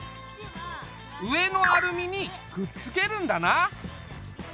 上のアルミにくっつけるんだな。